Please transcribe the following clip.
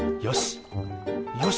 よし！